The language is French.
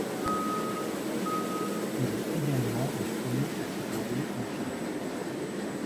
Il est également le premier à se dérouler en Chine.